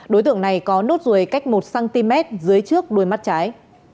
đối tượng này có nốt ruồi cách một cm dưới trước đuôi mắt trái